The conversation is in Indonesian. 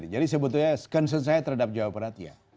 jadi sebetulnya concern saya terhadap jawa barat ya